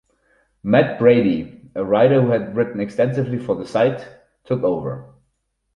Matt Brady, a writer who had written extensively for the site, took over.